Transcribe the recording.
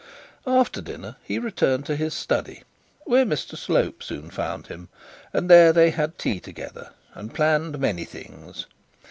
After dinner he returned to his study where Mr Slope soon found him, and there they had tea together and planned many things.